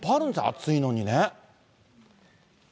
暑いのにね。